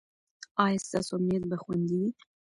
ایا ستاسو امنیت به خوندي وي؟